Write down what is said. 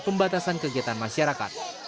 pembatasan kegiatan masyarakat